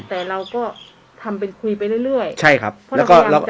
แต่เราก็ทำเป็นคุยไปเรื่อยเรื่อยใช่ครับแล้วก็เราก็